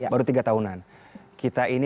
baru tiga tahunan kita ini